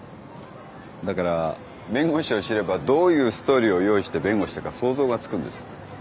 だから弁護士を知ればどういうストーリーを用意して弁護したか想像がつくんです。